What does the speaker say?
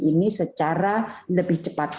ini secara lebih cepat